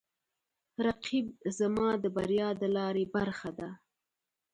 رقیب زما د بریا د لارې برخه ده